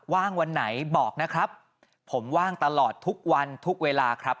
ว่างวันไหนบอกนะครับผมว่างตลอดทุกวันทุกเวลาครับ